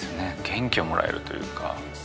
元気をもらえるというか。